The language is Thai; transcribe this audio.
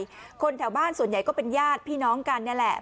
คนแถวบ้านส่วนใหญ่ก็เป็นญาติพี่น้องกันนี่แหละ